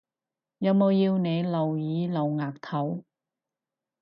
有冇要你露耳露額頭？